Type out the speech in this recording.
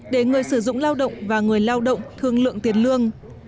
để người sử dụng lao động và người lao động thương lượng tiền lương